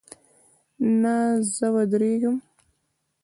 نه، زه ودریږم